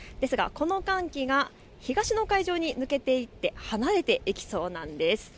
この寒気が東の海上に抜けていって離れていきそうなんです。